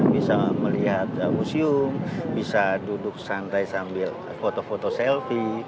bisa melihat museum bisa duduk santai sambil foto foto selfie